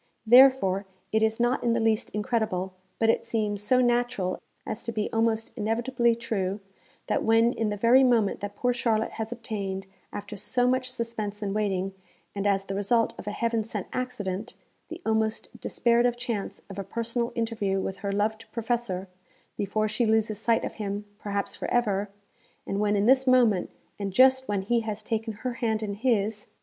Therefore it is not in the least incredible, but it seems so natural as to be almost inevitably true, that when in the very moment that poor Charlotte has obtained, after so much suspense and waiting, and as the result of a heaven sent accident, the almost despaired of chance of a personal interview with her loved Professor, before she loses sight of him, perhaps for ever, and when in this moment, and just when he has taken her hand in his